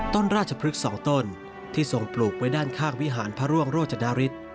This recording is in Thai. ต้นราชพฤกษ์๒ต้นที่ทรงปลูกไว้ด้านข้างวิหารพระร่วงโรจดาริส